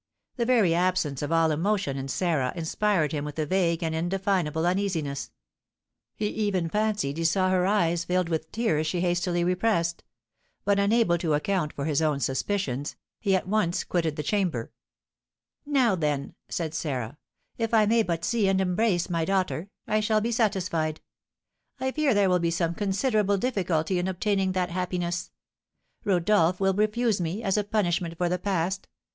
The very absence of all emotion in Sarah inspired him with a vague and indefinable uneasiness; he even fancied he saw her eyes filled with tears she hastily repressed. But unable to account for his own suspicions, he at once quitted the chamber. "Now, then," said Sarah, "if I may but see and embrace my daughter, I shall be satisfied. I fear there will be considerable difficulty in obtaining that happiness; Rodolph will refuse me, as a punishment for the past.